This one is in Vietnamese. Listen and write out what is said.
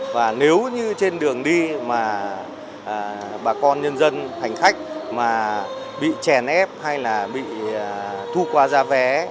và nếu như trên đường đi mà bà con nhân dân hành khách mà bị chèn ép hay là bị thu qua ra vé